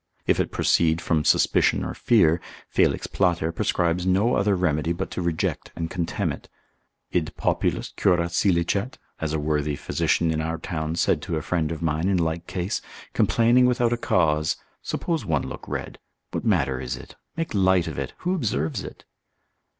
If it proceed from suspicion or fear, Felix Plater prescribes no other remedy but to reject and contemn it: Id populus curat scilicet, as a worthy physician in our town said to a friend of mine in like case, complaining without a cause, suppose one look red, what matter is it, make light of it, who observes it?